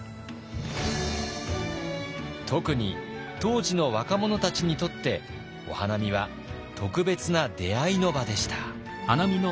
特に当時の若者たちにとってお花見は特別な出会いの場でした。